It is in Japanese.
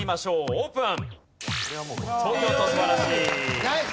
オープン。